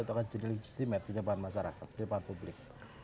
itu akan jadi legistimet di depan masyarakat di depan publik